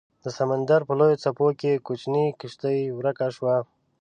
د سمندر په لویو څپو کې کوچنۍ کیشتي ورکه شوه